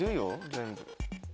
全部。